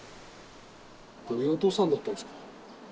どういうお父さんだったんですか？